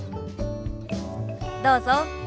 どうぞ。